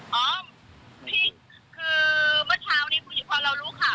พี่คือเมื่อเช้านี้พูดอยู่พอเรารู้ค่ะ